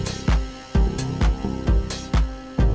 bisa ketemu saya sekarang